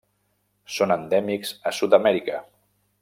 Són endèmics a Sud-amèrica.